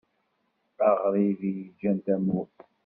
Aɣrib i yeǧǧan tamurt.